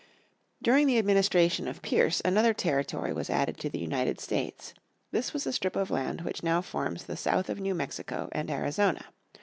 During the administration of Pierce another territory was added to the United States. This was a strip of land which now forms the south of New Mexico and Arizona.